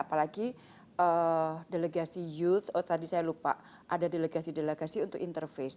apalagi delegasi youth oh tadi saya lupa ada delegasi delegasi untuk interface